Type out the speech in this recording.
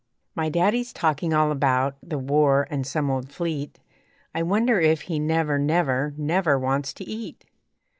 My Daddy's talking all about The war, and some old fleet, I wonder if he never, never, Never wants to eat.